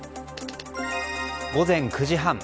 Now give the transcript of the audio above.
午前９時半。